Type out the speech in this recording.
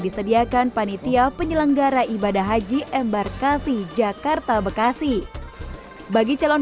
disediakan panitia penyelenggara ibadah haji embarkasi jakarta bekasi bagi calon